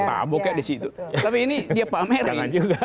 taboknya di situ tapi ini dia pamerin